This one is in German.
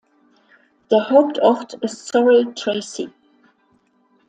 Der Hauptort ist Sorel-Tracy.